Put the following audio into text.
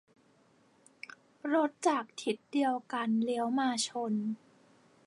- รถจากทิศเดียวกันเลี้ยวมาชน